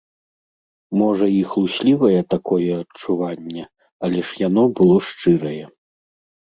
Можа, і хлуслівае такое адчуванне, але ж яно было шчырае.